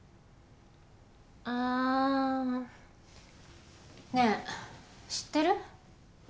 ああねえ知ってる？